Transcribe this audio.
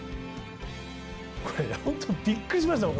これ本当びっくりしましたもん。